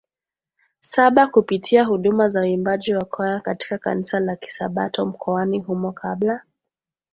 saba kupitia huduma za uimbaji wa kwaya katika Kanisa la Kisabato mkoani humo kabla